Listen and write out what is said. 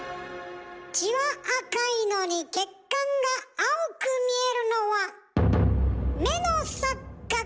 血は赤いのに血管が青く見えるのは目の錯覚